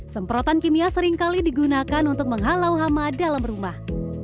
semprotan kimia seringkali digunakan untuk menghalau hama dalam rumah